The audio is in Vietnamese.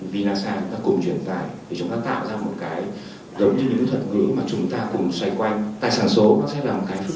vinasa chúng ta cùng truyền tài để chúng ta tạo ra một cái giống như những thuật ngữ mà chúng ta cùng xoay quanh